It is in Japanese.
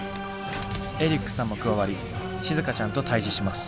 エリックさんも加わりしずかちゃんと対じします。